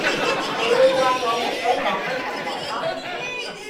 你會怪我們都趕不及來嗎？